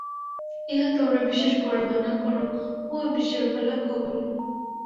ইহা তোমরা বিশ্বাস কর বা না কর, উহা বিশেষভাবে লক্ষ্য করিও।